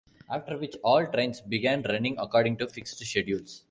After which, all trains began running according to fixed schedules.